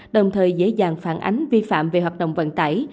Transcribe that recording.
đồng thời dễ dàng phản ánh vi phạm về hoạt động vận tải